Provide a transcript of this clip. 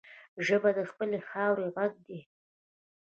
ژبه د خپلې خاورې غږ دی